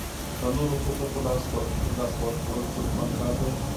د نورو حقوقو لاسه ورکول ستونزمن کار دی.